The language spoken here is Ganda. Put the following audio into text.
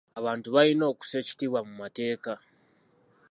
Abantu balina okussa ekitiibwwa mu mateeka.